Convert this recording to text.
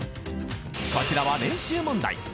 ［こちらは練習問題］